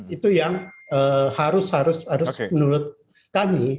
itu yang harus harus menurut kami